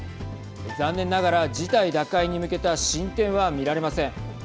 残念ながら事態打開に向けた進展は見られません。